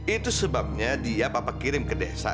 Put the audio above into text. itu sebabnya dia papa kirim ke desa